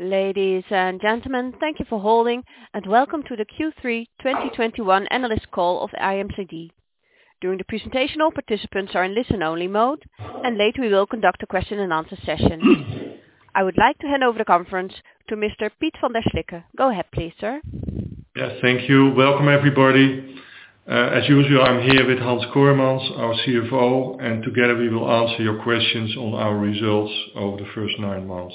Ladies and gentlemen, thank you for holding and welcome to the Q3 2021 Analyst Call of IMCD. During the presentation, all participants are in listen only mode, and later we will conduct a question and answer session. I would like to hand over the conference to Mr. Piet van der Slikke. Go ahead, please, sir. Yeah, thank you. Welcome, everybody. As usual, I'm here with Hans Kooijmans, our CFO, and together we will answer your questions on our results over the first nine months.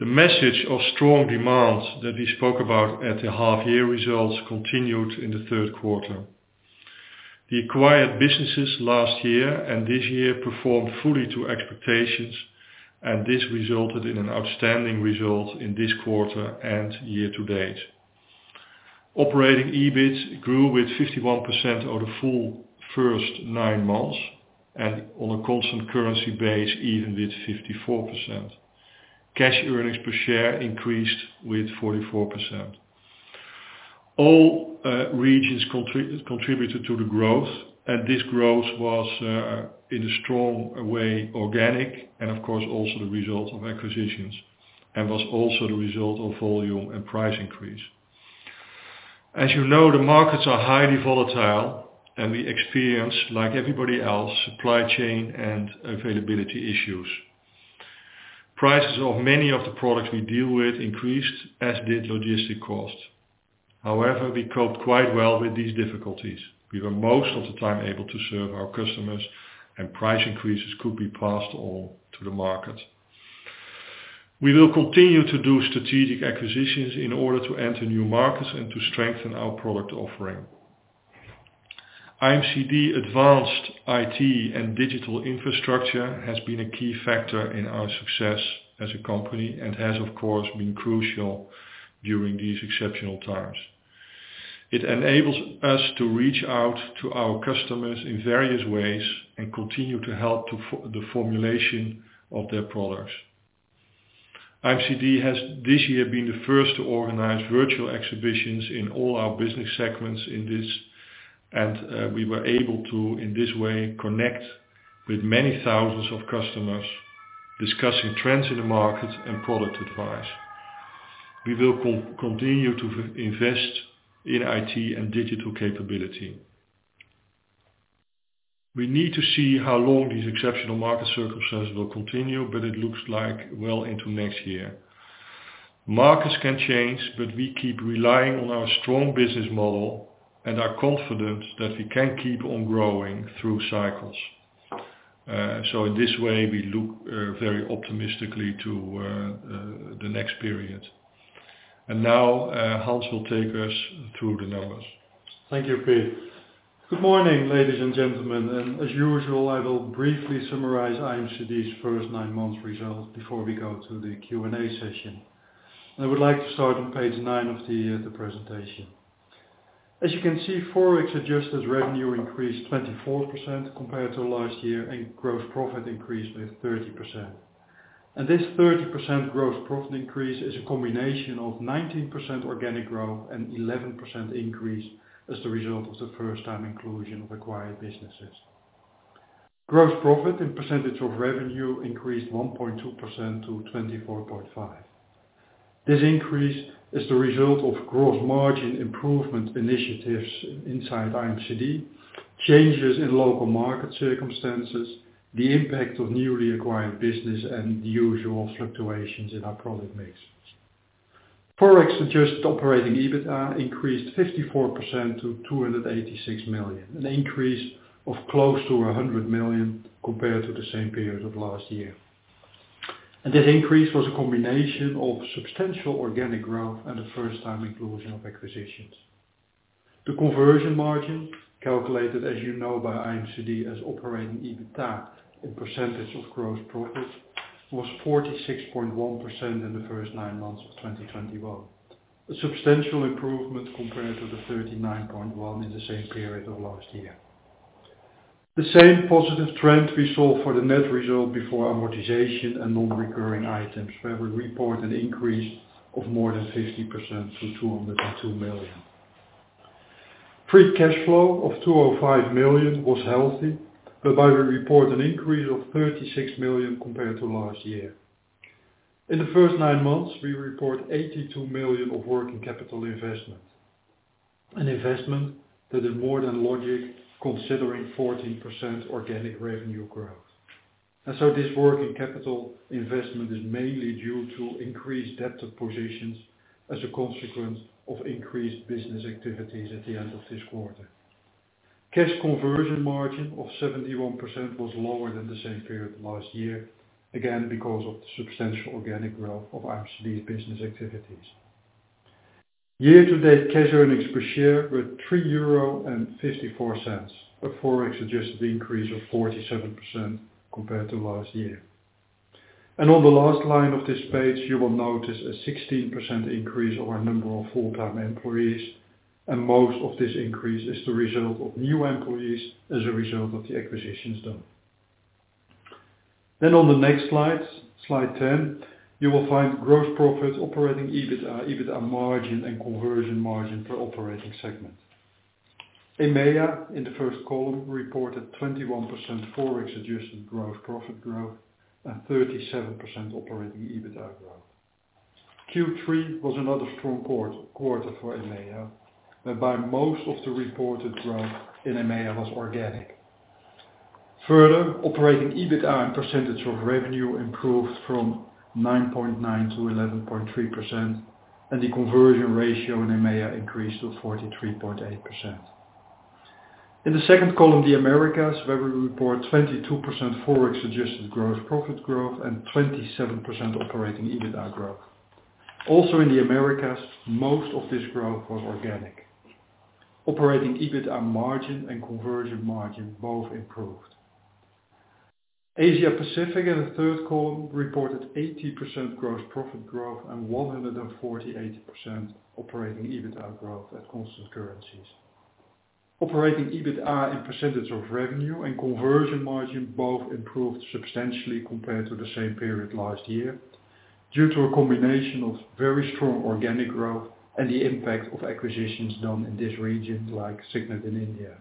The message of strong demand that we spoke about at the half year results continued in the Q3. The acquired businesses last year and this year performed fully to expectations, and this resulted in an outstanding result in this quarter and year-to-date. Operating EBITA grew 51% over the full first nine months, and on a constant currency base, even 54%. Cash earnings per share increased 44%. All regions contributed to the growth, and this growth was in a strong way organic, and of course also the result of acquisitions, and was also the result of volume and price increase. As you know, the markets are highly volatile and we experience, like everybody else, supply chain and availability issues. Prices of many of the products we deal with increased, as did logistics costs. However, we coped quite well with these difficulties. We were most of the time able to serve our customers and price increases could be passed on to the market. We will continue to do strategic acquisitions in order to enter new markets and to strengthen our product offering. IMCD advanced IT and digital infrastructure has been a key factor in our success as a company and has, of course, been crucial during these exceptional times. It enables us to reach out to our customers in various ways and continue to help with the formulation of their products. IMCD has this year been the first to organize virtual exhibitions in all our business segments in this, and we were able to, in this way, connect with many thousands of customers discussing trends in the market and product advice. We will continue to invest in IT and digital capability. We need to see how long these exceptional market circumstances will continue, but it looks like well into next year. Markets can change, but we keep relying on our strong business model and are confident that we can keep on growing through cycles. In this way, we look very optimistically to the next period. Now, Hans will take us through the numbers. Thank you, Piet. Good morning, ladies and gentlemen, and as usual, I will briefly summarize IMCD's first nine months results before we go to the Q&A session. I would like to start on page nine of the presentation. As you can see, FOREX-adjusted revenue increased 24% compared to last year, and gross profit increased with 30%. This 30% gross profit increase is a combination of 19% organic growth and 11% increase as the result of the first time inclusion of acquired businesses. Gross profit and percentage of revenue increased 1.2% to 24.5%. This increase is the result of gross margin improvement initiatives inside IMCD, changes in local market circumstances, the impact of newly acquired business and the usual fluctuations in our product mix. FOREX-adjusted operating EBITA increased 54% to 286 million, an increase of close to 100 million compared to the same period of last year. This increase was a combination of substantial organic growth and the first time inclusion of acquisitions. The conversion margin, calculated as you know by IMCD as operating EBITA in percentage of gross profit, was 46.1% in the first nine months of 2021. A substantial improvement compared to the 39.1% in the same period of last year. The same positive trend we saw for the net result before amortization and non-recurring items, where we report an increase of more than 50% to 202 million. Free cash flow of 205 million was healthy, but we report an increase of 36 million compared to last year. In the first nine months, we report 82 million of working capital investment. An investment that is more than logical, considering 14% organic revenue growth. This working capital investment is mainly due to increased debtor positions as a consequence of increased business activities at the end of this quarter. Cash conversion margin of 71% was lower than the same period last year, again, because of the substantial organic growth of IMCD's business activities. Year-to-date cash earnings per share were 3.54 euro. A FOREX-adjusted increase of 47% compared to last year. On the last line of this page, you will notice a 16% increase of our number of full-time employees, and most of this increase is the result of new employees as a result of the acquisitions done. On the next slide 10, you will find gross profit, operating EBITDA margin, and conversion margin per operating segment. EMEA, in the first column, reported 21% FOREX adjusted growth, profit growth, and 37% operating EBITA growth. Q3 was another strong quarter for EMEA, whereby most of the reported growth in EMEA was organic. Further, operating EBITA and percentage of revenue improved from 9.9% to 11.3%, and the conversion ratio in EMEA increased to 43.8%. In the second column, the Americas, where we report 22% FOREX adjusted gross profit growth and 27% operating EBITDA growth. Also in the Americas, most of this growth was organic. Operating EBITDA margin and conversion margin both improved. Asia-Pacific, in the third column, reported 80% gross profit growth and 148% operating EBITDA growth at constant currencies. Operating EBITDA as a percentage of revenue and conversion margin both improved substantially compared to the same period last year, due to a combination of very strong organic growth and the impact of acquisitions done in this region, like Signet in India.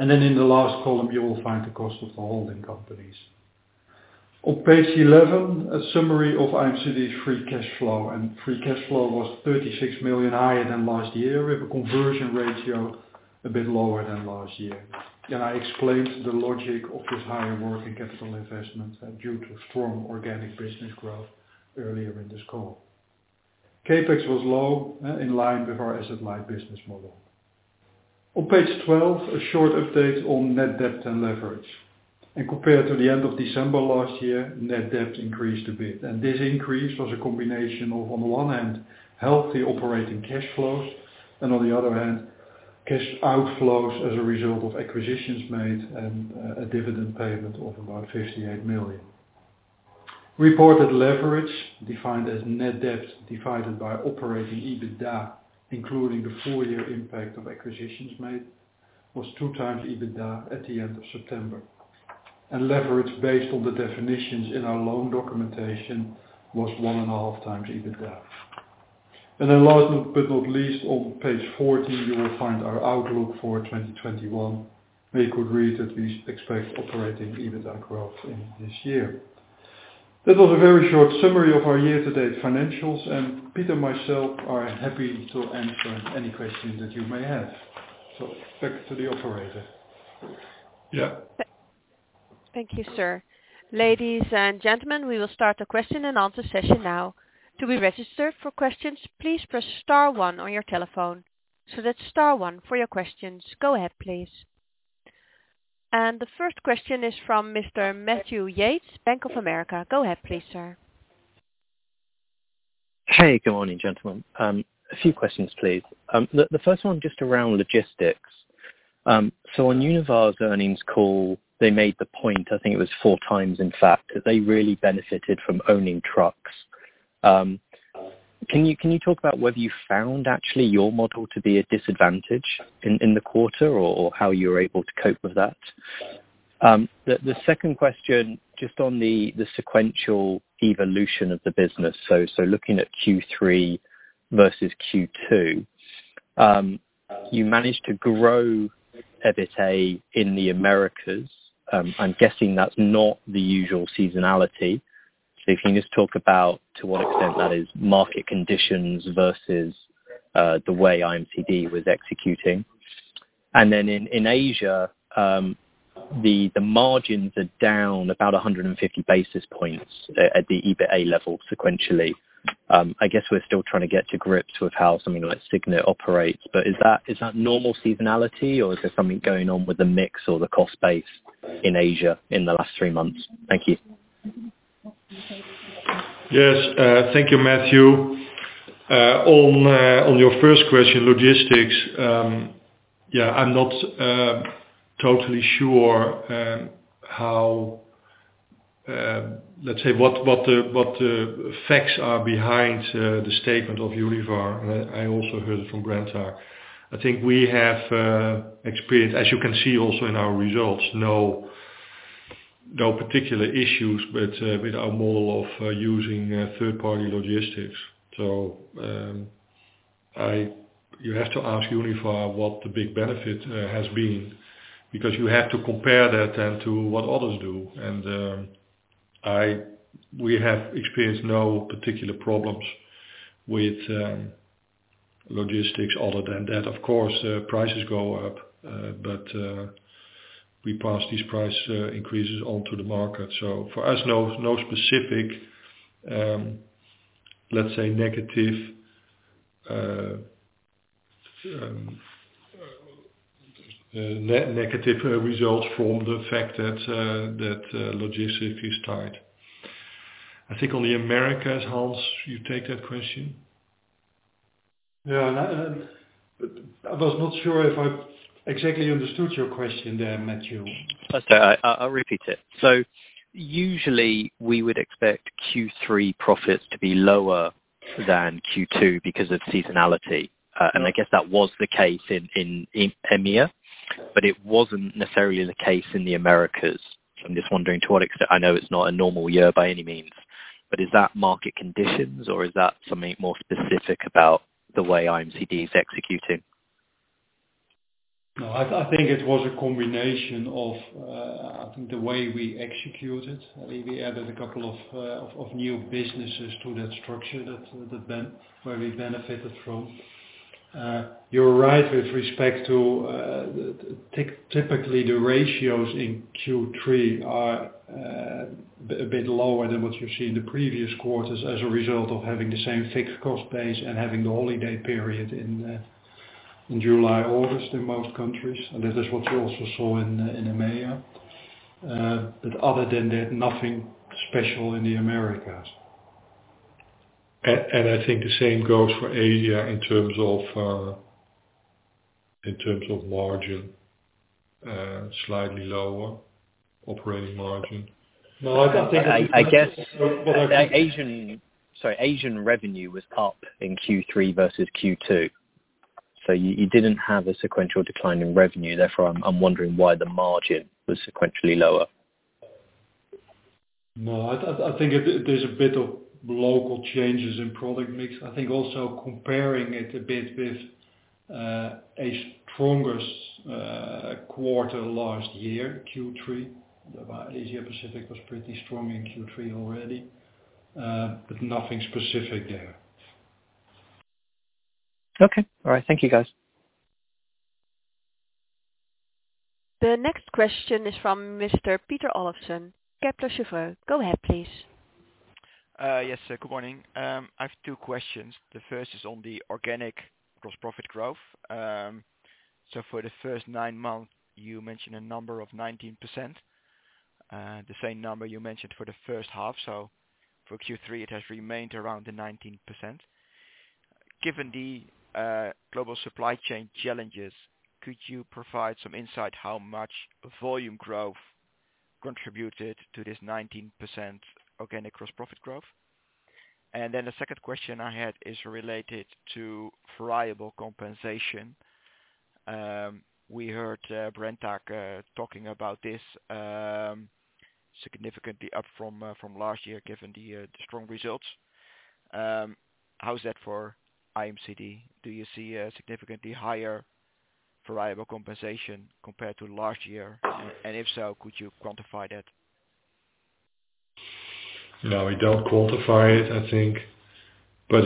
In the last column, you will find the cost of the holding companies. On page 11, a summary of IMCD's free cash flow. Free cash flow was 36 million higher than last year, with a conversion ratio a bit lower than last year. I explained the logic of this higher working capital investment due to strong organic business growth earlier in this call. CapEx was low, in line with our asset-light business model. On page 12, a short update on net debt and leverage. Compared to the end of December last year, net debt increased a bit. This increase was a combination of, on one end, healthy operating cash flows and on the other end, cash outflows as a result of acquisitions made and a dividend payment of about 58 million. Reported leverage, defined as net debt divided by operating EBITDA, including the full year impact of acquisitions made, was 2x EBITDA at the end of September. Leverage based on the definitions in our loan documentation was 1.5x EBITDA. Last but not least, on page 14, you will find our outlook for 2021, where you could read that we expect operating EBITDA growth in this year. That was a very short summary of our year-to-date financials, and Piet and myself are happy to answer any questions that you may have. Back to the operator. Yeah. Thank you, sir. Ladies and gentlemen, we will start the question and answer session now. To be registered for questions, please press star one on your telephone. So that's star one for your questions. Go ahead, please. The first question is from Mr. Matthew Yates, Bank of America. Go ahead, please, sir. Hey, good morning, gentlemen. A few questions, please. The first one just around logistics. On Univar's earnings call, they made the point, I think it was four times in fact, that they really benefited from owning trucks. Can you talk about whether you found actually your model to be a disadvantage in the quarter or how you're able to cope with that? The second question, just on the sequential evolution of the business. Looking at Q3 versus Q2, you managed to grow EBITA in the Americas. I'm guessing that's not the usual seasonality. If you can just talk about to what extent that is market conditions versus the way IMCD was executing. In Asia, the margins are down about 150 basis points at the EBITA level sequentially. I guess we're still trying to get to grips with how something like Signet operates. Is that normal seasonality or is there something going on with the mix or the cost base in Asia in the last three months? Thank you. Yes. Thank you, Matthew. On your first question, logistics, I'm not totally sure how, let's say what the facts are behind the statement of Univar. I also heard it from Brenntag. I think we have experienced, as you can see also in our results, no particular issues with our model of using third-party logistics. You have to ask Univar what the big benefit has been, because you have to compare that then to what others do. We have experienced no particular problems with logistics other than that. Of course, prices go up, but we pass these price increases on to the market. For us, no specific, let's say, negative results from the fact that logistics is tight. I think in the Americas, Hans, you take that question. Yeah. I was not sure if I exactly understood your question there, Matthew. That's all right. I'll repeat it. Usually, we would expect Q3 profits to be lower than Q2 because of seasonality. I guess that was the case in EMEA, but it wasn't necessarily the case in the Americas. I'm just wondering to what extent. I know it's not a normal year by any means. Is that market conditions or is that something more specific about the way IMCD is executing? No, I think it was a combination of, I think the way we executed. I think we added a couple of new businesses to that structure that where we benefited from. You're right with respect to, typically, the ratios in Q3 are a bit lower than what you see in the previous quarters as a result of having the same fixed cost base and having the holiday period in July, August in most countries. That is what you also saw in EMEA. Other than that, nothing special in the Americas. I think the same goes for Asia in terms of margin, slightly lower operating margin. No, I think. I guess. No, I think. Sorry, Asian revenue was up in Q3 versus Q2. You didn't have a sequential decline in revenue. Therefore, I'm wondering why the margin was sequentially lower. No, I think there's a bit of local changes in product mix. I think also comparing it a bit with the strongest quarter last year, Q3. Asia Pacific was pretty strong in Q3 already, but nothing specific there. Okay. All right. Thank you, guys. The next question is from Mr.Piet Olofsen, Kepler Cheuvreux. Go ahead, please. Yes, good morning. I have two questions. The first is on the organic gross profit growth. For the first nine months, you mentioned a number of 19%, the same number you mentioned for the first half. For Q3, it has remained around the 19%. Given the global supply chain challenges, could you provide some insight how much volume growth contributed to this 19% organic gross profit growth? Then the second question I had is related to variable compensation. We heard Brenntag talking about this, significantly up from last year, given the strong results. How is that for IMCD? Do you see a significantly higher variable compensation compared to last year? And if so, could you quantify that? No, we don't quantify it, I think. No,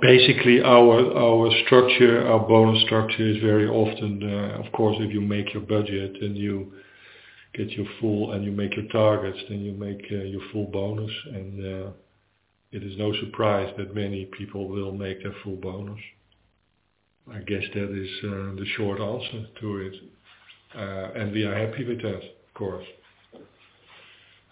basically, our structure, our bonus structure is very often, of course, if you make your budget and you get your full and you make your targets, then you make your full bonus. It is no surprise that many people will make a full bonus. I guess that is the short answer to it. We are happy with that, of course.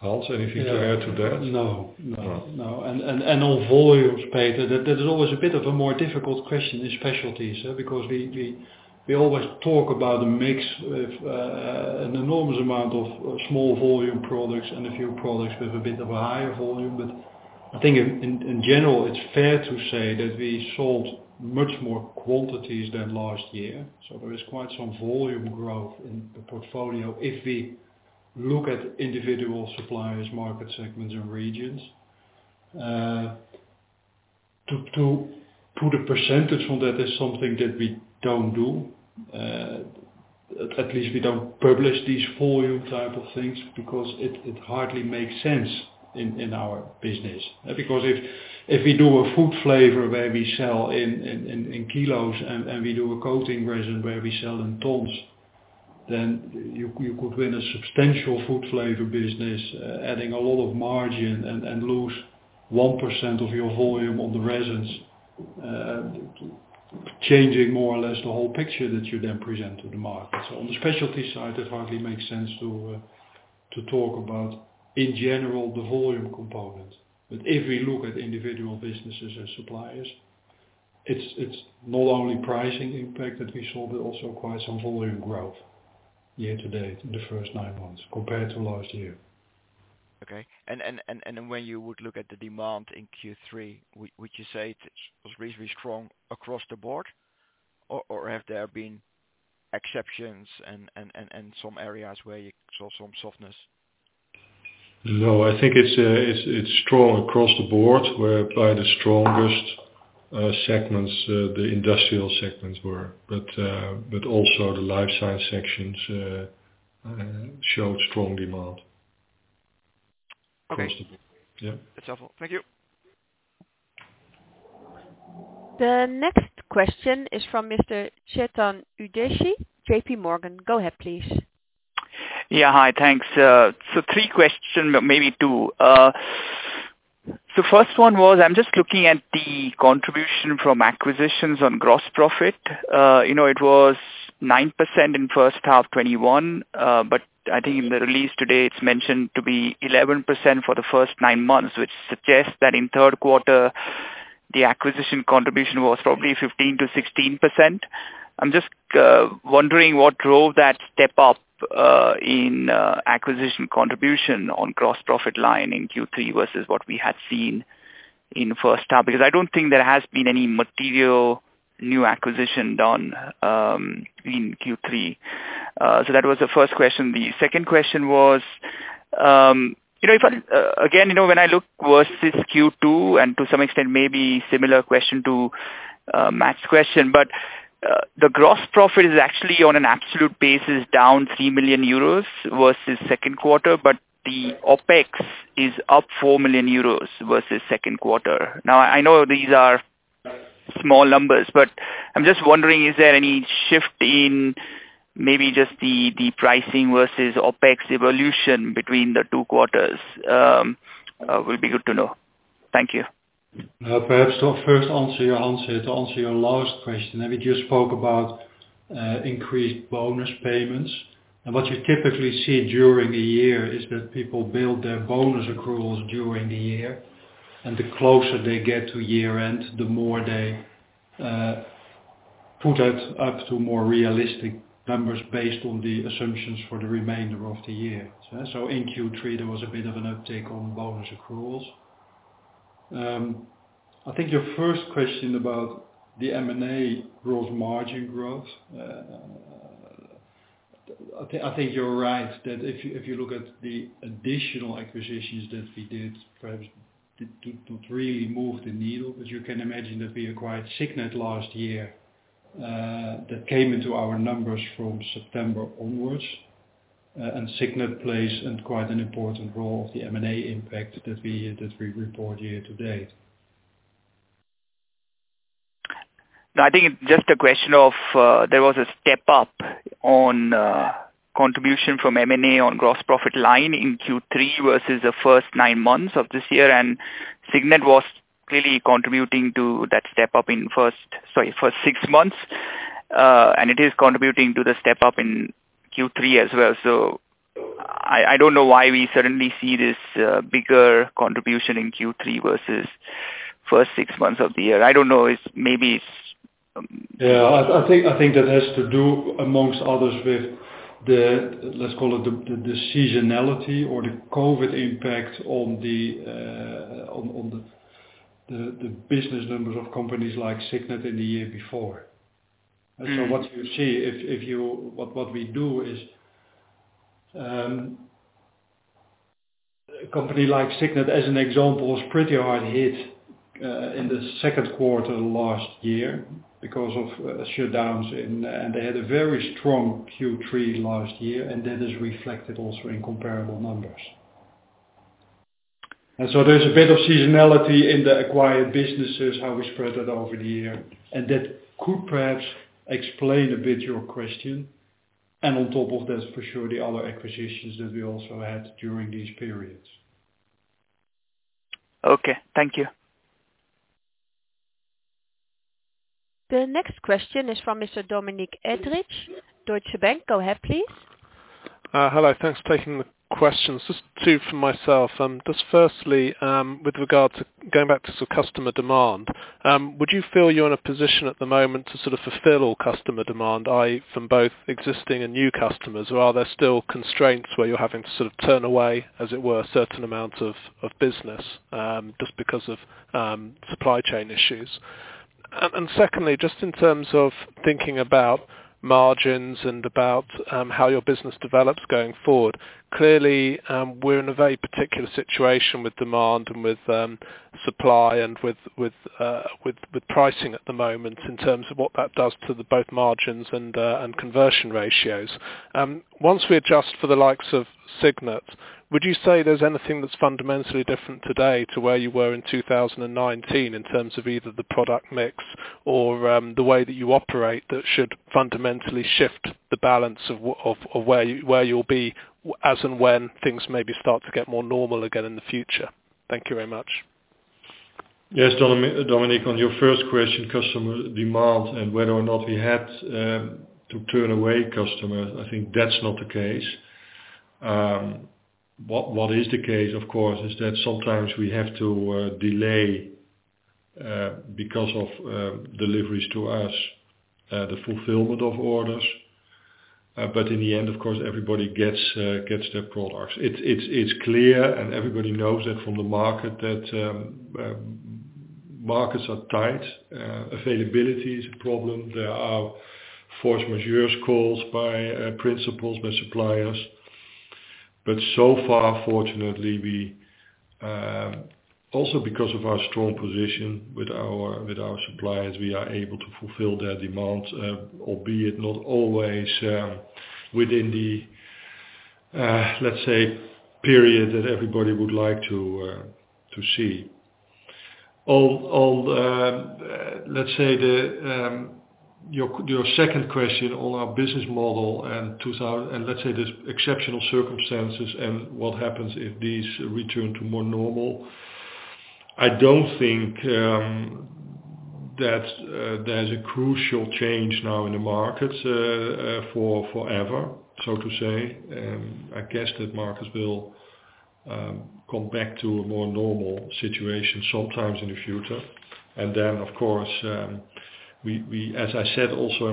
Hans, anything to add to that? No, no. No. On volumes, Piet, that is always a bit] of a more difficult question in specialties, because we always talk about a mix with an enormous amount of small volume products and a few products with a bit of a higher volume. I think in general, it's fair to say that we sold much more quantities than last year. There is quite some volume growth in the portfolio if we look at individual suppliers, market segments and regions. To put a percentage on that is something that we don't do. At least we don't publish these volume type of things because it hardly makes sense in our business. Because if we do a food flavor where we sell in kilos and we do a coating resin where we sell in tons, then you could win a substantial food flavor business, adding a lot of margin and lose 1% of your volume on the resins, changing more or less the whole picture that you then present to the market. On the specialty side, it hardly makes sense to talk about, in general, the volume component. If we look at individual businesses and suppliers, it's not only pricing impact that we saw, but also quite some volume growth year to date in the first nine months compared to last year. Okay. When you would look at the demand in Q3, would you say it was reasonably strong across the board? Or, have there been exceptions in some areas where you saw some softness? No, I think it's strong across the board, whereby the strongest segments, the industrial segments, were. Also the life science sections showed strong demand. Okay. Most of it. Yeah. That's helpful. Thank you. The next question is from Mr. Chetan Udeshi, JPMorgan. Go ahead, please. Yeah. Hi, thanks. So three questions, maybe two. So first one was, I'm just looking at the contribution from acquisitions on gross profit. You know, it was 9% in first half 2021. But I think in the release today, it's mentioned to be 11% for the first nine months, which suggests that in Q3, the acquisition contribution was probably 15%-16%. I'm just wondering what drove that step up in acquisition contribution on gross profit line in Q3 versus what we had seen in first half. Because I don't think there has been any material new acquisition done in Q3. So that was the first question. The second question was, you know, if I again, you know, when I look versus Q2 and to some extent, maybe similar question to Matt's question, but the gross profit is actually on an absolute basis, down 3 million euros versus Q2, but the OPEX is up 4 million euros versus Q2. Now, I know these are small numbers, but I'm just wondering, is there any shift in maybe just the pricing versus OPEX evolution between the two quarters, will be good to know. Thank you. Perhaps to answer your last question, that we just spoke about, increased bonus payments. What you typically see during a year is that people build their bonus accruals during the year, and the closer they get to year-end, the more they put it up to more realistic numbers based on the assumptions for the remainder of the year. In Q3, there was a bit of an uptick on bonus accruals. I think your first question about the M&A growth, margin growth, I think you're right that if you look at the additional acquisitions that we did, perhaps do really move the needle. As you can imagine that we acquired Signet last year, that came into our numbers from September onwards. Signet plays a quite important role of the M&A impact that we report here today. No, I think it's just a question of there was a step up on contribution from M&A on gross profit line in Q3 versus the first nine months of this year, and Signet was clearly contributing to that step up in first six months, and it is contributing to the step up in Q3 as well. I don't know why we suddenly see this bigger contribution in Q3 versus first six months of the year. I don't know. Yeah. I think that has to do among others with the, let's call it the seasonality or the COVID impact on the business numbers of companies like Signet in the year before. Mm. What we do is a company like Signet, as an example, was pretty hard hit in the Q2 last year because of shutdowns and they had a very strong Q3 last year, and that is reflected also in comparable numbers. There's a bit of seasonality in the acquired businesses, how we spread that over the year. That could perhaps explain a bit your question. On top of that, for sure, the other acquisitions that we also had during these periods. Okay. Thank you. The next question is from Mr. Dominic Edridge, Deutsche Bank. Go ahead, please. Hello. Thanks for taking the questions. Just two from myself. Just firstly, with regard to going back to sort of customer demand, would you feel you're in a position at the moment to sort of fulfill all customer demand, i.e., from both existing and new customers? Or are there still constraints where you're having to sort of turn away, as it were, certain amounts of business, just because of supply chain issues? Secondly, just in terms of thinking about margins and about how your business develops going forward. Clearly, we're in a very particular situation with demand and with supply and with pricing at the moment in terms of what that does to the both margins and conversion ratios. Once we adjust for the likes of Signet, would you say there's anything that's fundamentally different today to where you were in 2019 in terms of either the product mix or the way that you operate that should fundamentally shift the balance of where you'll be as and when things maybe start to get more normal again in the future? Thank you very much. Yes, Dominic, on your first question, customer demand and whether or not we had to turn away customers, I think that's not the case. What is the case, of course, is that sometimes we have to delay, because of deliveries to us, the fulfillment of orders. In the end, of course, everybody gets their products. It's clear and everybody knows it from the market that markets are tight. Availability is a problem. There are force majeure calls by principals, by suppliers. So far, fortunately, we also because of our strong position with our suppliers, we are able to fulfill their demands, albeit not always, within the, let's say, period that everybody would like to see. On your second question on our business model and let's say there's exceptional circumstances and what happens if these return to more normal. I don't think that there's a crucial change now in the markets for forever, so to say. I guess that markets will come back to a more normal situation sometimes in the future. Then, of course, as I said also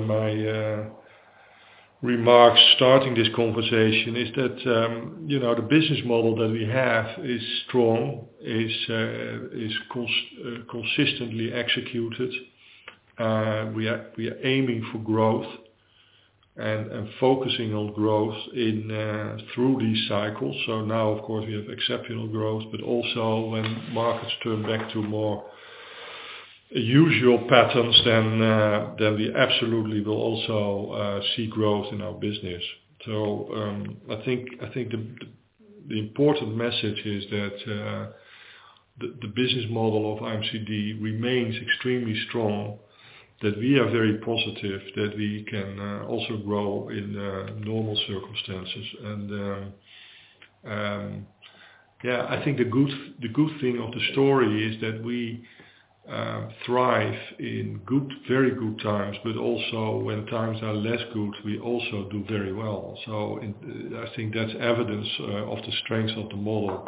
in my remarks starting this conversation, is that you know, the business model that we have is strong. Is consistently executed. We are aiming for growth and focusing on growth through these cycles. Now, of course, we have exceptional growth, but also when markets turn back to more usual patterns, then we absolutely will also see growth in our business. I think the important message is that the business model of IMCD remains extremely strong, that we are very positive that we can also grow in normal circumstances. Yeah, I think the good thing of the story is that we thrive in good, very good times, but also when times are less good, we also do very well. I think that's evidence of the strength of the model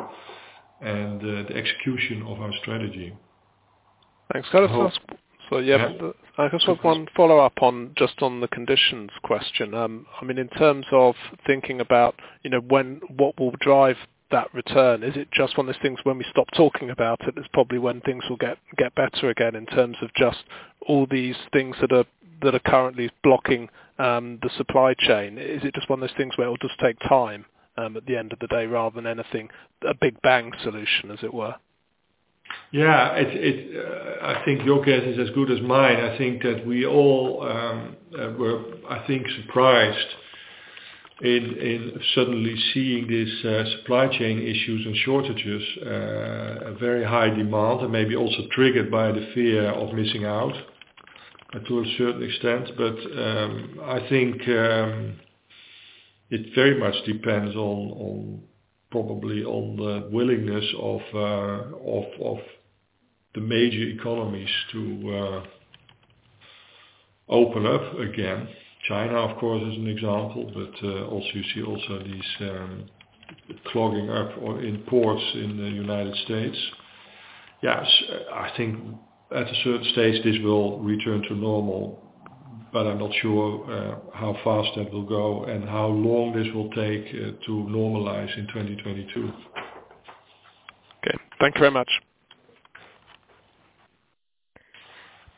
and the execution of our strategy. Thanks. Can I just ask? Yes. Yeah. I just have one follow-up on, just on the conditions question. I mean, in terms of thinking about, you know, when what will drive that return, is it just one of those things when we stop talking about it, is probably when things will get better again, in terms of just all these things that are currently blocking the supply chain? Is it just one of those things where it'll just take time, at the end of the day rather than anything, a big bang solution, as it were? Yeah. I think your guess is as good as mine. I think that we all were surprised in suddenly seeing these supply chain issues and shortages, a very high demand and maybe also triggered by the fear of missing out, to a certain extent. I think it very much depends on probably on the willingness of the major economies to open up again. China, of course, is an example, but also you see also these clogging up of imports in the United States. Yes. I think at a certain stage, this will return to normal, but I'm not sure how fast that will go and how long this will take to normalize in 2022. Okay. Thank you very much.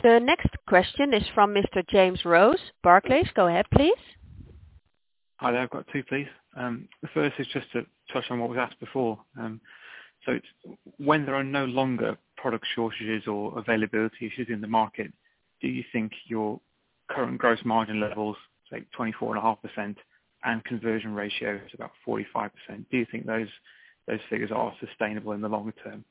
The next question is from Mr. James Rose, Barclays. Go ahead, please. Hi there. I've got two, please. The first is just to touch on what was asked before. When there are no longer product shortages or availability issues in the market, do you think your current gross margin levels, say 24.5%, and conversion ratio is about 45%, do you think those figures are sustainable in the longer term?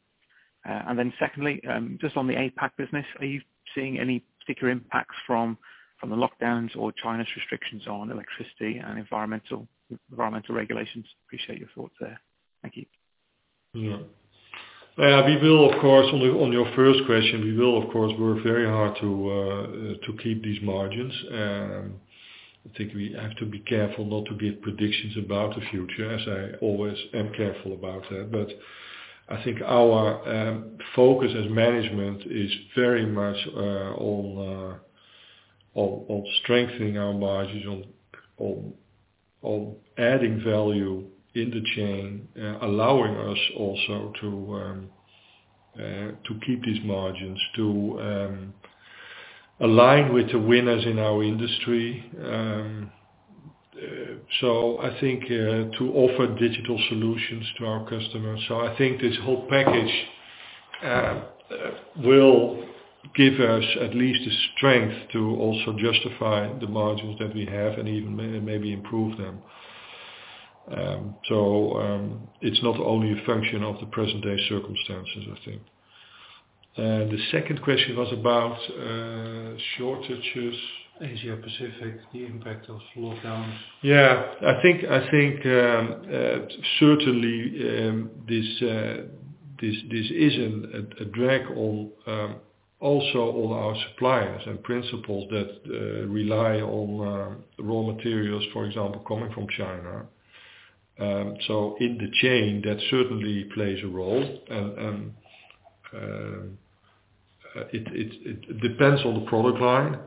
Secondly, just on the APAC business, are you seeing any particular impact from the lockdowns or China's restrictions on electricity and environmental regulations? Appreciate your thoughts there. Thank you. We will, of course, on your first question, work very hard to keep these margins. I think we have to be careful not to give predictions about the future, as I always am careful about that. I think our focus as management is very much on strengthening our margins, on adding value in the chain, allowing us also to keep these margins, to align with the winners in our industry, to offer digital solutions to our customers. I think this whole package will give us at least the strength to also justify the margins that we have and even maybe improve them. It's not only a function of the present day circumstances, I think. The second question was about shortages, Asia Pacific, the impact of lockdowns. Yeah. I think certainly this is a drag on also on our suppliers and principals that rely on raw materials, for example, coming from China. In the chain, that certainly plays a role. It depends on the product line,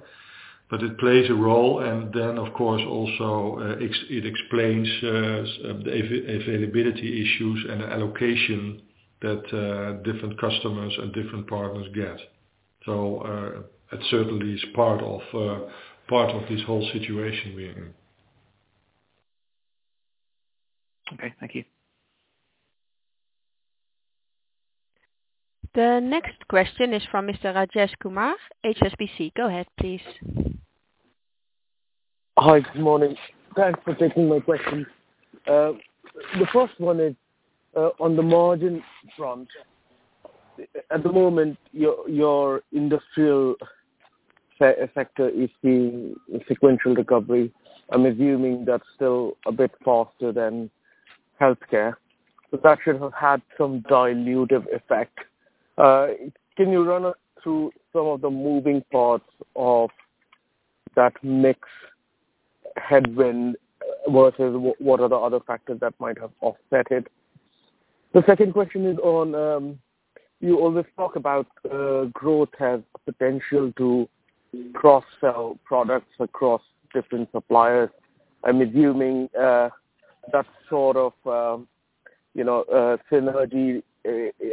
but it plays a role. Of course also it explains the availability issues and allocation that different customers and different partners get. That certainly is part of this whole situation we're in. Okay, thank you. The next question is from Mr. Rajesh Kumar, HSBC. Go ahead, please. Hi. Good morning. Thanks for taking my question. The first one is on the margin front. At the moment, your industrial sector is seeing sequential recovery. I'm assuming that's still a bit faster than healthcare. That should have had some dilutive effect. Can you run us through some of the moving parts of that mix headwind versus what are the other factors that might have offset it? The second question is on you always talk about growth has potential to cross-sell products across different suppliers. I'm assuming that sort of you know synergy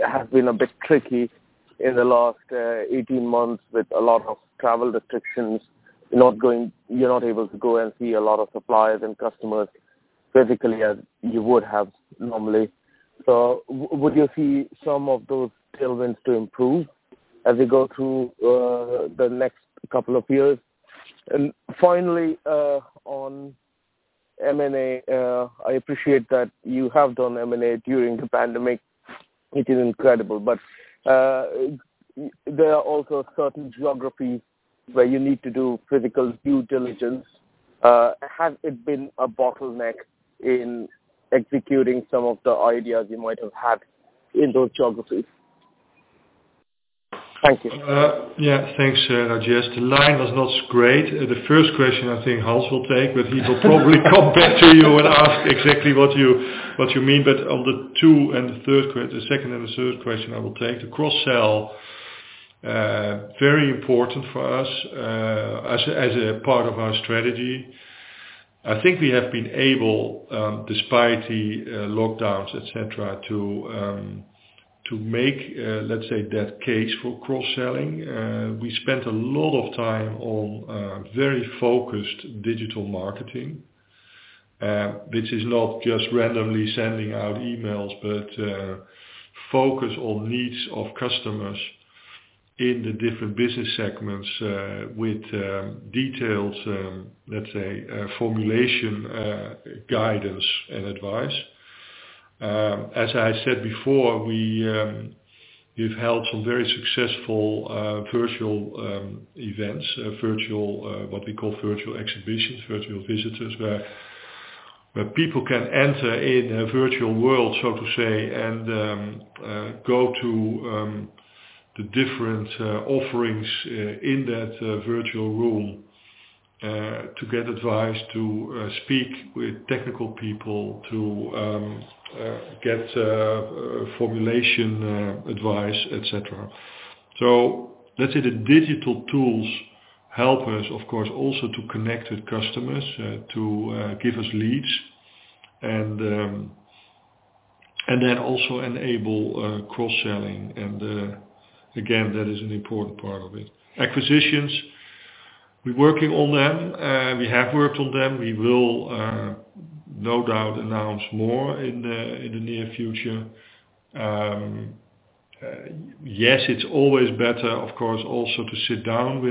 has been a bit tricky in the last 18 months with a lot of travel restrictions. You're not able to go and see a lot of suppliers and customers physically as you would have normally. Would you see some of those tailwinds to improve as we go through the next couple of years? Finally, on M&A, I appreciate that you have done M&A during the pandemic, which is incredible. There are also certain geographies where you need to do physical due diligence. Has it been a bottleneck in executing some of the ideas you might have had in those geographies? Thank you. Yeah. Thanks, Rajesh. The line was not great. The first question I think Hans will take, but he will probably come back to you and ask exactly what you mean. On the second and the third question I will take. The cross-sell, very important for us, as a part of our strategy. I think we have been able, despite the lockdowns, et cetera, to make, let's say, that case for cross-selling. We spent a lot of time on very focused digital marketing, which is not just randomly sending out emails, but focus on needs of customers in the different business segments, with details, let's say, formulation guidance and advice. As I said before, we've held some very successful virtual events. Virtual what we call virtual exhibitions, virtual visitors, where people can enter in a virtual world, so to say, and go to the different offerings in that virtual room to get advice, to speak with technical people, to get formulation advice, et cetera. Let's say the digital tools help us, of course, also to connect with customers to give us leads and then also enable cross-selling. Again, that is an important part of it. Acquisitions, we're working on them. We have worked on them. We will no doubt announce more in the near future. Yes, it's always better, of course, also to sit down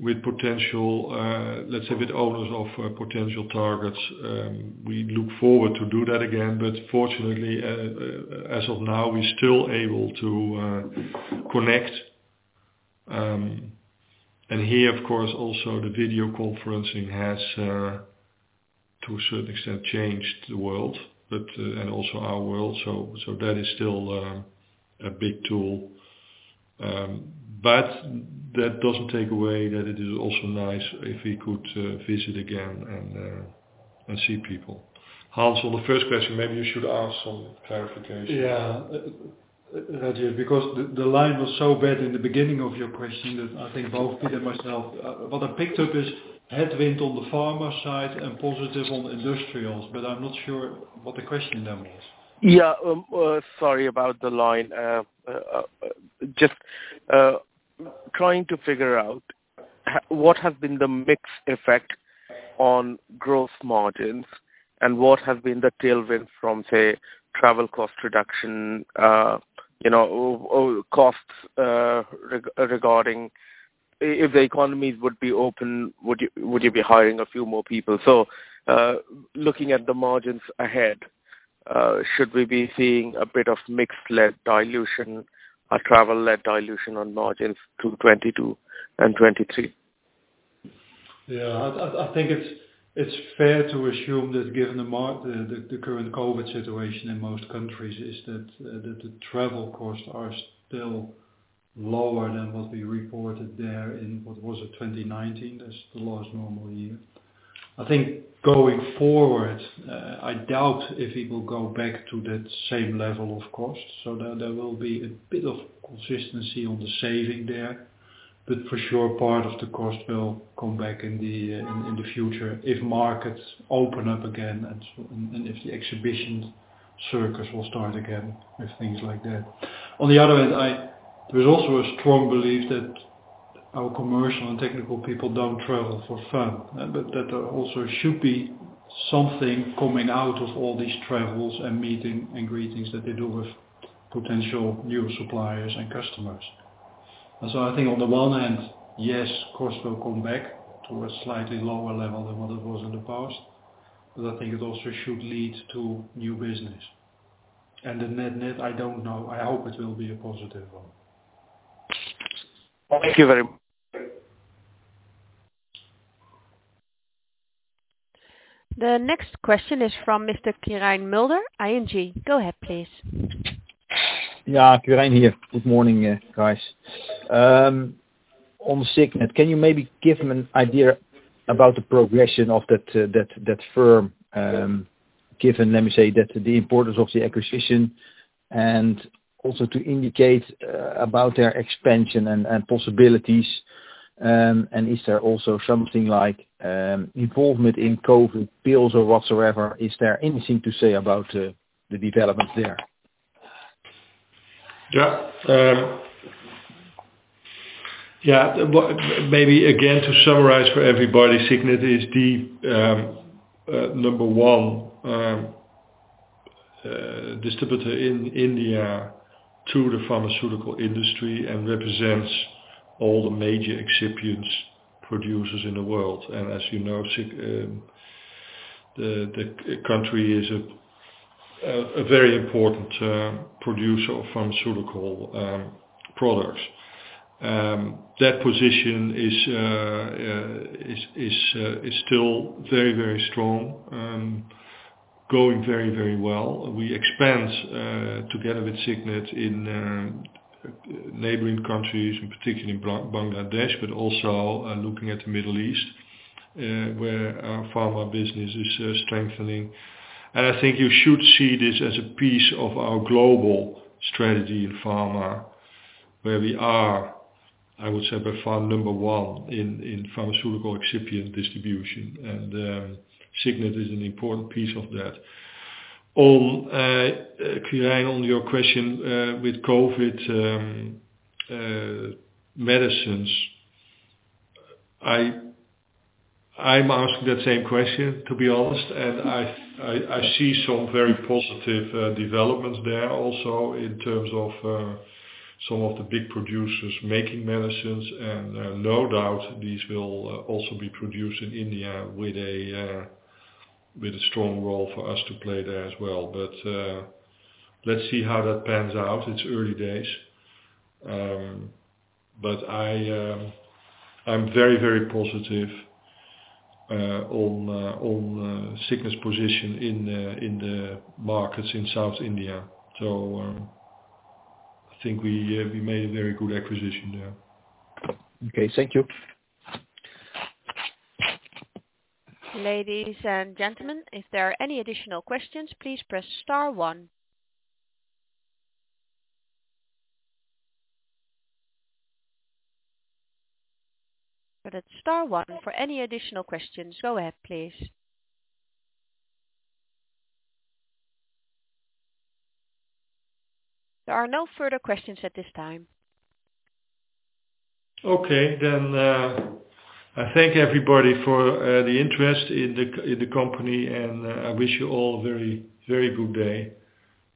with potential, let's say with owners of potential targets. We look forward to do that again, but fortunately, as of now, we're still able to connect. Here, of course, also the video conferencing has to a certain extent changed the world, but and also our world. That is still a big tool. That doesn't take away that it is also nice if we could visit again and see people. Hans, on the first question, maybe you should ask some clarification. Yeah. Rajesh, because the line was so bad in the beginning of your question that I think both Piet and myself, what I picked up, is headwind on the pharma side and positive on industrials, but I'm not sure what the question then is. Yeah. Sorry about the line. Just trying to figure out what has been the mix effect on gross margins and what has been the tailwind from, say, travel cost reduction, you know, or costs regarding if the economies would be open, would you be hiring a few more people? Looking at the margins ahead, should we be seeing a bit of mix-led dilution or travel-led dilution on margins through 2022 and 2023? Yeah. I think it's fair to assume that given the current COVID situation in most countries is that the travel costs are still lower than what we reported there in, what was it? 2019. That's the last normal year. I think going forward, I doubt if it will go back to that same level of costs. There will be a bit of consistency on the saving there. But for sure, part of the cost will come back in the future if markets open up again and if the exhibition circuit will start again and things like that. On the other hand, there's also a strong belief that our commercial and technical people don't travel for fun. That also should be something coming out of all these travels and meeting and greetings that they do with potential new suppliers and customers. I think on the one hand, yes, costs will come back to a slightly lower level than what it was in the past, but I think it also should lead to new business. The net net, I don't know. I hope it will be a positive one. Thank you very much. The next question is from Mr. Quirijn Mulder, ING. Go ahead, please. Quirijn here. Good morning, guys. On Signet, can you maybe give me an idea about the progression of that firm, given, let me say, that the importance of the acquisition. Also to indicate about their expansion and possibilities. Is there also something like involvement in COVID pills or whatsoever? Is there anything to say about the developments there? Well, maybe again, to summarize for everybody, Signet is the number one distributor in India to the pharmaceutical industry and represents all the major excipients producers in the world. As you know, the country is a very important producer of pharmaceutical products. That position is still very strong. Going very well. We expand together with Signet in neighboring countries, in particular in Bangladesh, but also are looking at the Middle East, where our pharma business is strengthening. I think you should see this as a piece of our global strategy in pharma, where we are, I would say, by far number one in pharmaceutical excipient distribution. Signet is an important piece of that. On your question with COVID medicines. I'm asking that same question, to be honest. I see some very positive developments there also in terms of some of the big producers making medicines. No doubt these will also be produced in India with a strong role for us to play there as well. Let's see how that pans out. It's early days. I'm very positive on Signet's position in the markets in South India. I think we made a very good acquisition there. Okay. Thank you. Ladies and gentlemen, if there are any additional questions, please press star one. That's star one for any additional questions. Go ahead, please. There are no further questions at this time. Okay. I thank everybody for the interest in the company, and I wish you all very, very good day.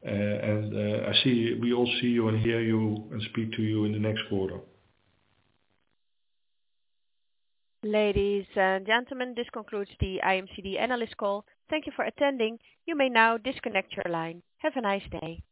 I see we all see you and hear you and speak to you in the next quarter. Ladies and gentlemen, this concludes The IMCD Analyst Call. Thank you for attending. You may now disconnect your line. Have a nice day.